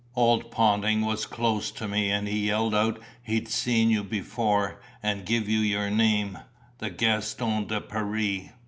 Old Ponting was close to me and he yelled out he'd seen you before and give you your name, the Gaston de Paree."